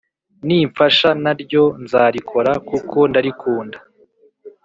nimfasha naryo nzarikora kuko ndarikunda